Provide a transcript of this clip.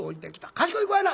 「賢い子やな！」。